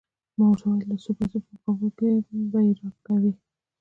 ما ورته وویل: د څو پیسو په مقابل کې يې راکوې؟